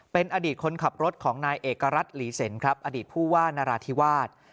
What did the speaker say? เป็นอดีตคนขับรถของนายเอกรัฐหลีเซ็นครับอดีตผู้ว่านราธิวาส